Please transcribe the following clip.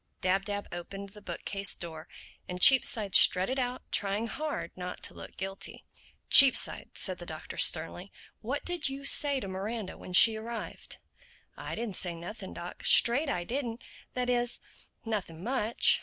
Dab Dab opened the bookcase door and Cheapside strutted out trying hard not to look guilty. "Cheapside," said the Doctor sternly, "what did you say to Miranda when she arrived?" "I didn't say nothing, Doc, straight I didn't. That is, nothing much.